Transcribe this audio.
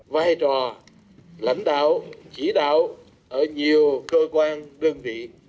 vai trò lãnh đạo chỉ đạo ở nhiều cơ quan đơn vị